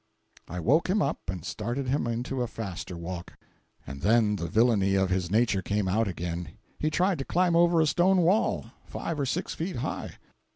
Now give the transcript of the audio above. I woke him up and started him into a faster walk, and then the villainy of his nature came out again. He tried to climb over a stone wall, five or six feet high.